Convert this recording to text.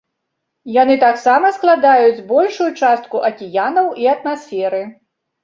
Яны таксама складаюць большую частку акіянаў і атмасферы.